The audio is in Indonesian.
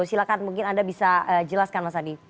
silahkan mungkin anda bisa jelaskan mas adi